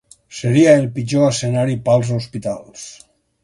Seria el pitjor escenari per als hospitals.